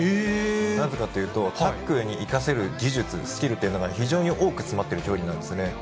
なぜかっていうと、タックルに生かせる技術、スキルっていうのが非常に多く詰まってる競技なんですね。